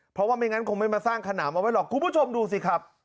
เพราะว่าไม่งั้นคงไม่มาสร้างขนามเอาไว้หรอกคุณผู้ชมดูสิครับ